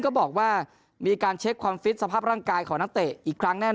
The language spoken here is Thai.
ก็บอกว่ามีการเช็คความฟิตสภาพร่างกายของนักเตะอีกครั้งแน่